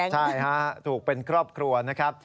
ใช่ฮะถูกเป็นครอบครัวนะครับ